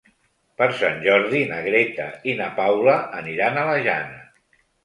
Per Sant Jordi na Greta i na Paula aniran a la Jana.